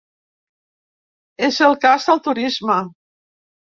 És el cas del turisme.